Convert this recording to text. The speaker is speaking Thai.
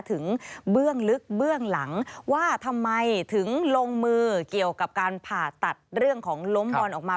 เบื้องลึกเบื้องหลังว่าทำไมถึงลงมือเกี่ยวกับการผ่าตัดเรื่องของล้มบอลออกมา